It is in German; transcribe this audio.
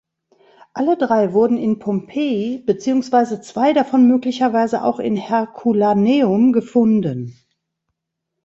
Alle drei wurden in Pompeji beziehungsweise zwei davon möglicherweise auch in Herculaneum gefunden.